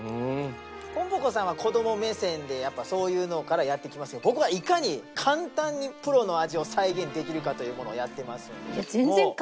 ぽんぽ娘さんは子供目線でやっぱそういうのからやってきますが僕はいかに簡単にプロの味を再現できるかというものをやっていますので。